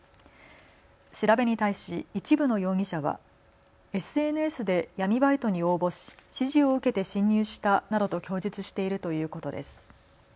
調べに対し一部の容疑者はＳＮＳで闇バイトに応募し指示を受けて侵入したなどと供述しているということです。